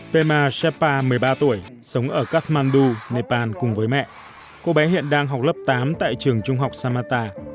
pema shenehpa một mươi ba tuổi sống ở kathmandu nepal cùng với mẹ cô bé hiện đang học lớp tám tại trường trung học samathta